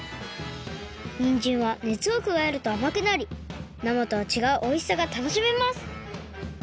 にんじんはねつをくわえるとあまくなりなまとはちがうおいしさがたのしめます。